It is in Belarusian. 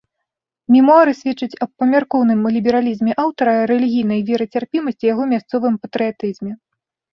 Мемуары сведчаць аб памяркоўным лібералізме аўтара, рэлігійнай верацярпімасці, яго мясцовым патрыятызме.